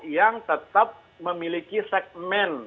yang tetap memiliki segmen